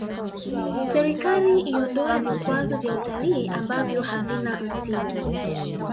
serikali iondoe vikwazo vya utalii ambavyo havina msingi